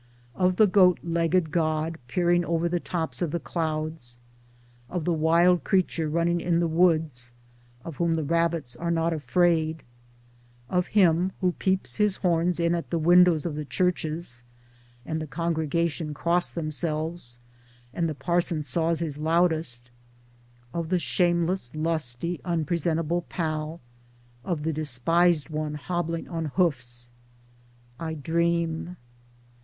Of the goat legged God peering over the tops of the clouds ; of the wild creature running in the woods of whom the rabbits are not afraid ; of him who peeps his horns in at the windows of the churches, and the congregation cross themselves and the parson saws his loudest ; of the shame less lusty unpresentable pal ; of the despised one hobbling on hoofs — I dream.